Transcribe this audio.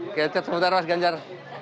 oke cek sebentar mas ganjar